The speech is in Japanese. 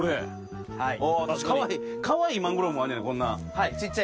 かわいいマングローブもあんねんなこんなん。